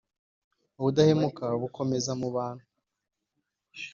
ubudahemuka bukomeze mu bantu